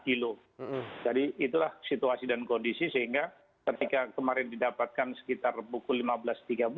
kilo jadi itulah situasi dan kondisi sehingga ketika kemarin didapatkan sekitar pukul lima belas tiga puluh